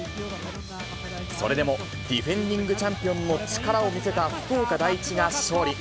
それでもディフェンディングチャンピオンの力を見せた福岡第一が勝利。